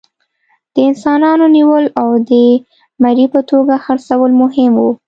د انسانانو نیول او د مري په توګه خرڅول مهم وو.